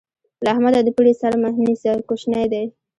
له احمده د پړي سر مه نيسه؛ کوشنی دی.